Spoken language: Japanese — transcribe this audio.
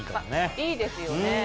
いいですよね。